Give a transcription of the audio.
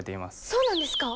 そうなんですか！？